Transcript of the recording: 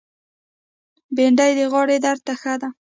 بېنډۍ د غاړې درد ته ښه ده